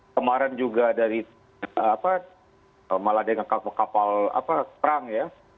kemarin juga dari apa malah dengan kapal kapal perang ya